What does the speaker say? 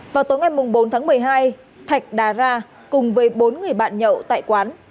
vào tối ngày bốn tháng một mươi hai thạch đà ra cùng với bốn người bạn nhậu tại quán